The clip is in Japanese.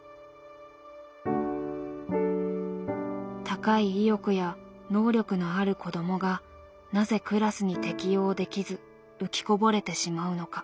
高い意欲や能力のある子どもがなぜクラスに適応できず“浮きこぼれ”てしまうのか。